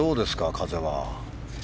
風は。